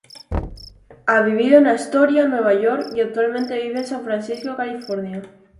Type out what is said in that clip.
Ha vivido en Astoria, Nueva York y actualmente vive en San Francisco, California.